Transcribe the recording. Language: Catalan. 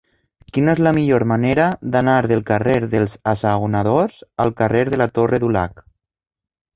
Quina és la millor manera d'anar del carrer dels Assaonadors al carrer de la Torre Dulac?